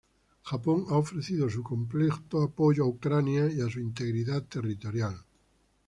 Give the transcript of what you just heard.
Japón ha ofrecido su completo apoyo a Ucrania y a su "integridad territorial".